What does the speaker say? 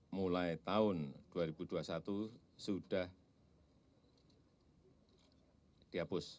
mulai tahun dua ribu dua puluh satu sudah dihapus